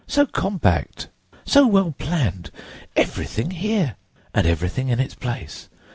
"So compact! So well planned! Everything here and everything in its place!